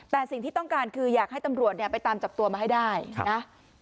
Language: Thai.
แต่สิ่งที่ต้องการคืออยากให้ตำรวจเนี่ยไปตามจับตัวมาให้ได้นะ